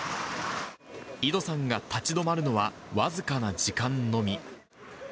井戸さんが立ち止まるのは、僅かな時間のみ。